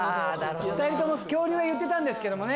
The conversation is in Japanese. ２人とも恐竜を言ってたんですけどね。